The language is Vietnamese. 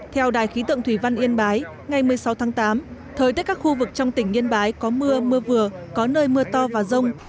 theo đài khí tượng thủy văn yên bái ngày một mươi sáu tháng tám thời tiết các khu vực trong tỉnh yên bái có mưa mưa vừa có nơi mưa to và rông